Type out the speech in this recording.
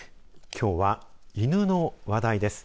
きょうは犬の話題です。